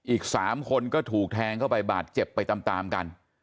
อีก๓คนก็ถูกแทงเข้าไปบาดเจ็บไปตามกัน